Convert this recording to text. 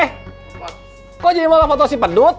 eh kok jadi malah foto si pedut